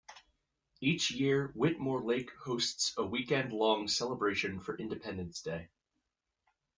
Each year Whitmore Lake hosts a weekend-long celebration for Independence Day.